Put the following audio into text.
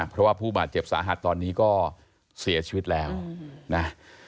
เพราะว่าผู้บาดเจ็บสาหัสตอนนี้ก็เสียชีวิตแล้วนะ